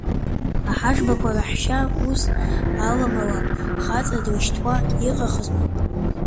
Аҳашбақәа раҳәшьа ус аламала хаҵа дрышьҭуа иҟахызма!